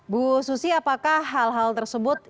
bu susi apakah hal hal tersebut